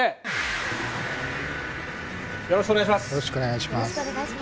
よろしくお願いします。